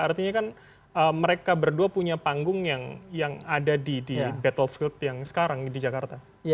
artinya kan mereka berdua punya panggung yang ada di battlefield yang sekarang di jakarta